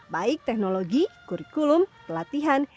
baik teknologi kurikulum pelatihan